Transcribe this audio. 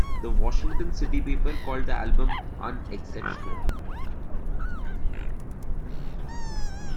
The Washington City Paper called the album "unexceptional".